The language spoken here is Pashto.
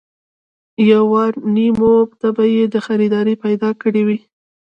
يوارنيمو ته به يې خريدار پيدا کړی وي.